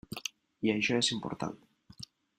I això és important.